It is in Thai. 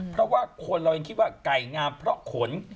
เพราะว่าคนเรายังคิดว่าไก่งามเพราะขน